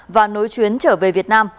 và nối chuyến trở về việt nam